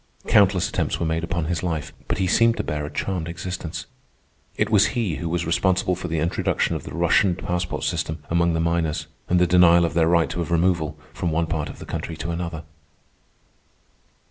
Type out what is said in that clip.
Countless attempts were made upon his life, but he seemed to bear a charmed existence. It was he who was responsible for the introduction of the Russian passport system among the miners, and the denial of their right of removal from one part of the country to another.